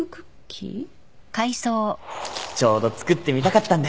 ちょうど作ってみたかったんで